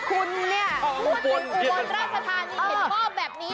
คุณเนี่ยเป็นคนอุบลราชธานีเห็นหม้อแบบนี้